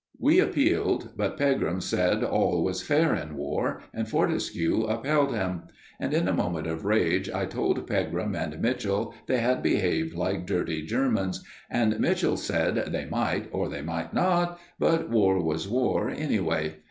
We appealed; but Pegram said all was fair in war, and Fortescue upheld him; and in a moment of rage I told Pegram and Mitchell they had behaved like dirty Germans, and Mitchell said they might, or they might not, but war was war, anyway.